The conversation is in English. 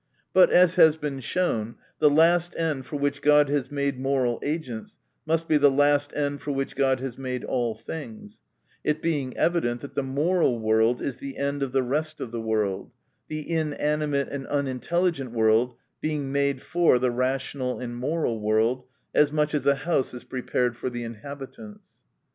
But, a^> nas been shown, the last end for which God has made moral agents, must be the last end for which God has made all things; it being evident, that the moral world is the end of the rest of the world ; the inanimate and unintelligent world being made for the rational and moral world, as much as a house is prepared for the inhabitants.